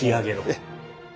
ええ。